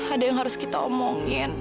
ada yang harus kita omongin